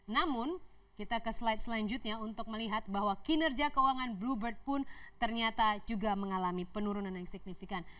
namun kita ke slide selanjutnya untuk melihat bahwa kinerja keuangan bluebird pun ternyata juga mengalami penurunan yang signifikan